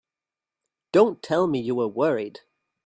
Don't tell me you were worried!